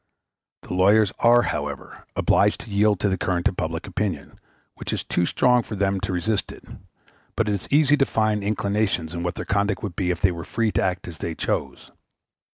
The lawyers are, however, obliged to yield to the current of public opinion, which is too strong for them to resist it, but it is easy to find indications of what their conduct would be if they were free to act as they chose.